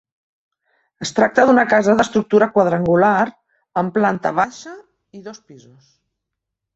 Es tracta d'una casa d'estructura quadrangular amb planta baixa i dos pisos.